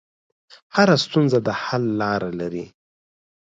هره ستونزه د حل لاره لري.